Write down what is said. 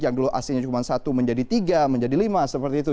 yang dulu aslinya cuma satu menjadi tiga menjadi lima seperti itu